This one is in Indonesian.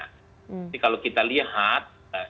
jadi kalau kita lihat